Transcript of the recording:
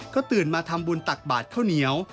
ก็ตื่นมาทำบุญตักบาทข้าวเหนียว